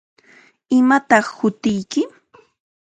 ¿Imataq hutiyki?